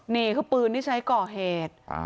นี่คือปืนที่ใช้ก่อเหตุ